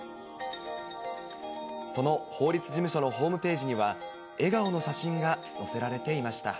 その法律事務所のホームページには、笑顔の写真が載せられていました。